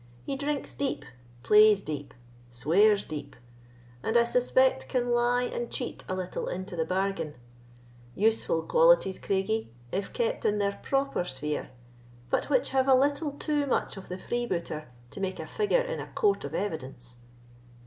He drinks deep, plays deep, swears deep, and I suspect can lie and cheat a little into the bargain; useful qualities, Craigie, if kept in their proper sphere, but which have a little too much of the freebooter to make a figure in a court of evidence."